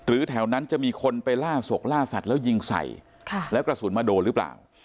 แถวนั้นจะมีคนไปล่าศกล่าสัตว์แล้วยิงใส่แล้วกระสุนมาโดนหรือเปล่า